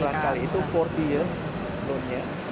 murah sekali itu empat puluh years loannya